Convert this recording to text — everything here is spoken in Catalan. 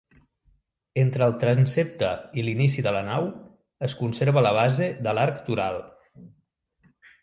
Entre el transsepte i l'inici de la nau es conserva la base de l'arc toral.